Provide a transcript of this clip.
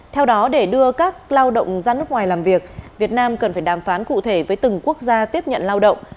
theo đó để đưa các lao động ra nước ngoài làm việc việt nam cần phải đàm phán cụ thể với từng quốc gia tiếp nhận lao động